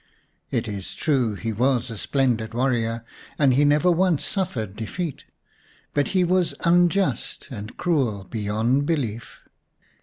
It is true he was a splendid warrior and had never once suffered defeat, but he was unjust and cruel beyond belief.